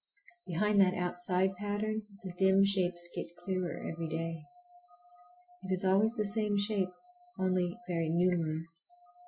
Behind that outside pattern the dim shapes get clearer every day. It is always the same shape, only very numerous.